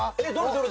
どれ？